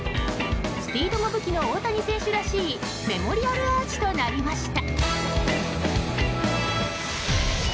スピードも武器の大谷選手らしいメモリアルアーチとなりました。